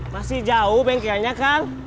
masih jauh bengkelnya kan